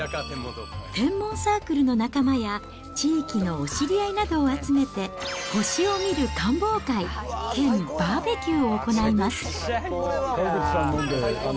天文サークルの仲間や地域のお知り合いなどを集めて、星を見る観望会兼バーベキューを行います。